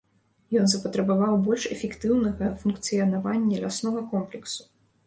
Ён запатрабаваў больш эфектыўнага функцыянавання ляснога комплексу.